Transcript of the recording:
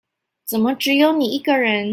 怎麼只有你一個人